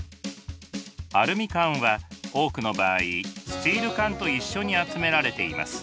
アルミ缶は多くの場合スチール缶と一緒に集められています。